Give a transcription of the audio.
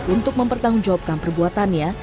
untuk mempertanggungjawabkan perbuatannya